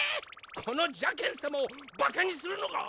この邪見さまをバカにするのか！！